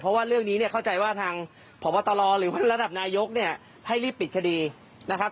เพราะว่าเรื่องนี้เนี่ยเข้าใจว่าทางพบตรหรือว่าระดับนายกเนี่ยให้รีบปิดคดีนะครับ